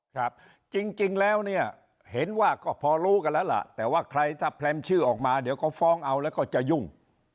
ครับจริงแล้วเนี่ยเห็นว่าก็พอรู้กันแล้วล่ะแต่ว่าใครถ้าแพรมชื่อออกมาเดี๋ยวก็ฟ้องเอาแล้วก็จะยุ่ง